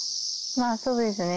まぁそうですね。